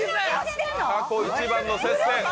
・過去一番の接戦！